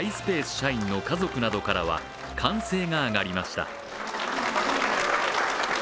社員の家族などからは歓声が上がりました。